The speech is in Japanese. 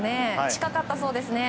近かったそうですね。